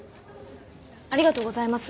ありがとうございます。